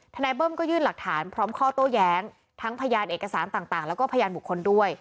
นายเบิ้มก็ยื่นหลักฐานพร้อมข้อโต้แย้งทั้งพยานเอกสารต่างแล้วก็พยานบุคคลด้วย